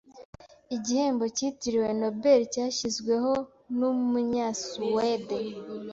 igihembo kitiriwe Nobel cyashyizweho n’Umunyasuwede